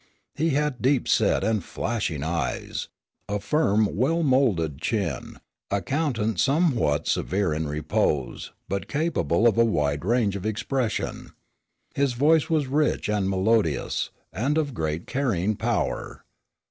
He had deep set and flashing eyes, a firm, well moulded chin, a countenance somewhat severe in repose, but capable of a wide range of expression. His voice was rich and melodious, and of great carrying power.